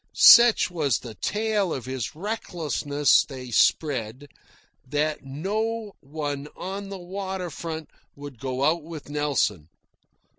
Such was the tale of his recklessness they spread, that no one on the water front would go out with Nelson.